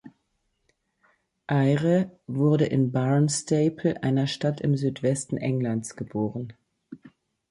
Eyre wurde in Barnstaple, einer Stadt im Südwesten Englands geboren.